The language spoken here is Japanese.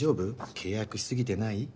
契約し過ぎてない？